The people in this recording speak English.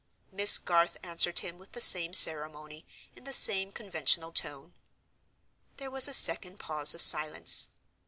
Miss Garth answered him with the same ceremony, in the same conventional tone. There was a second pause of silence.